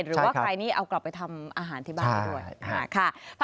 หรือว่าใครนี่เอากลับไปทำอาหารที่บ้านด้วย